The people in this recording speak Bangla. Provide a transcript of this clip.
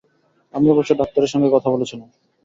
আমি অবশ্যি ডাক্তারের সঙ্গে কথা বলেছিলাম।